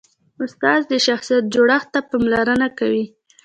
استاد د شخصیت جوړښت ته پاملرنه کوي.